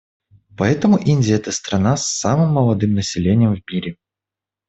Поэтому Индия — это страна с самым молодым населением в мире.